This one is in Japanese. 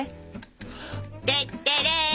テッテレ！